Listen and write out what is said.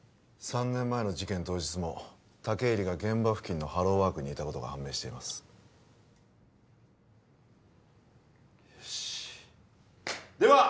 ３年前の事件当日も武入が現場付近のハローワークにいたことが判明していますよしでは！